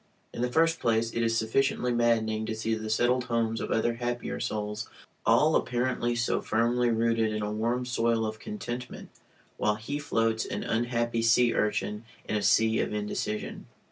In the first place, it is sufficiently maddening to see the settled homes of other happier souls, all apparently so firmly rooted in a warm soil of contentment while he floats, an unhappy sea urchin, in an ocean of indecision.